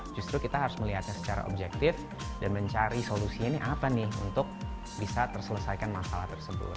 justru kita harus melihatnya secara objektif dan mencari solusinya ini apa nih untuk bisa terselesaikan masalah tersebut